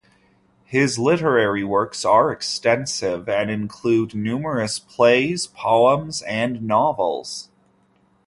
His literary works are extensive and include numerous plays, poems and novels.